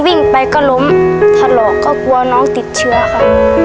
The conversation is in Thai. ใบก็ล้มถ่าหลอกก็กลัวน้องติดเชื้อค่ะ